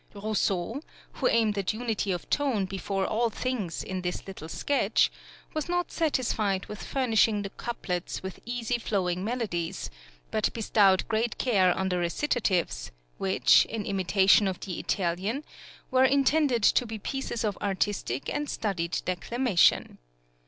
Rousseau, who aimed at unity of tone before all things in this little sketch, was not satisfied with furnishing the couplets with easy flowing melodies, but bestowed great care on the recitatives, which, in imitation of the Italian, were intended to be pieces of artistic and studied declamation.